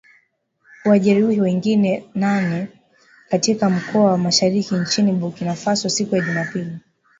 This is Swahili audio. Kuwajeruhi wengine nane katika mkoa wa Mashariki nchini Burkina Faso siku ya Jumapili